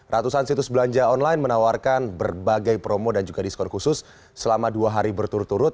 ratusan situs belanja online menawarkan berbagai promo dan juga diskon khusus selama dua hari berturut turut